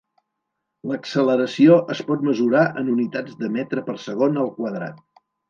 L'acceleració es pot mesurar en unitats de metre per segon al quadrat.